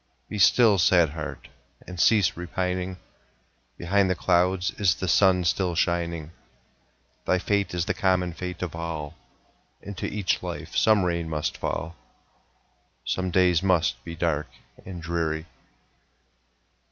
Be still, sad heart! and cease repining; Behind the clouds is the sun still shining; Thy fate is the common fate of all, Into each life some rain must fall, Some days must be dark and dreary.